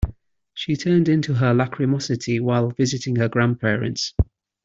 She turned into her lachrymosity while visiting her grandparents.